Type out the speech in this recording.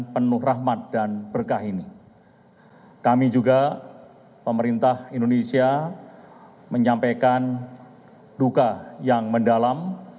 penuh rahmat dan berkah ini kami juga pemerintah indonesia menyampaikan duka yang mendalam